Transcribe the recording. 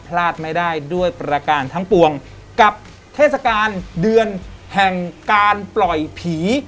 พลาดไม่ได้ด้วยประการทั้งปวงกับเทศกาลเดือนแห่งการปล่อยผี